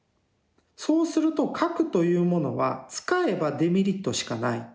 そうすると核というものは使えばデメリットしかない。